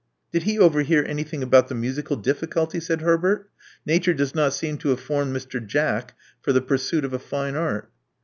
*'Did he overhear anything about the musical d culty?" said Herbert. * 'Nature does not seem to 1 formed Mr. Jack for the pursuit of a fine art.